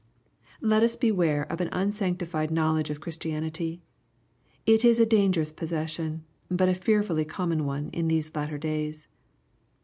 Let us beware of an unsanctified knowledge of Chris tianity. It is a dangerous possession, but a fearfully common one in these latter days.